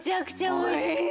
おいしい！